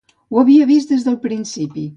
Ho havia vist des del principi.